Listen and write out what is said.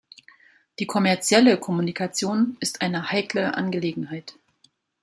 Die kommerzielle Kommunikation ist eine heikle Angelegenheit.